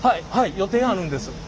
予定あるんです。